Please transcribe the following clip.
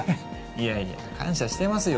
いやいや感謝してますよ